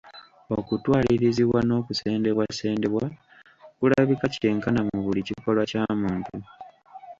Okutwalirizibwa n'okusendebwasendebwa kulabika kyenkana mu buli kikolwa kya muntu.